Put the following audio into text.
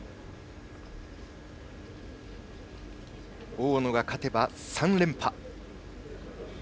大野が勝てば３連覇。